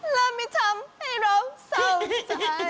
และไม่ทำให้เราเศร้าใจ